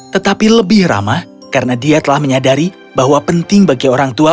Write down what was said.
tetapi lebih ramah karena dia telah menyadari bahwa penting bagi orang tua